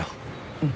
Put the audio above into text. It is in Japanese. うん。